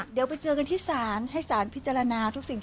เดี๋ยวไปเจอกันที่ศาลให้สารพิจารณาทุกสิ่ง